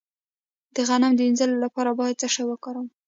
د غم د مینځلو لپاره باید څه شی وکاروم؟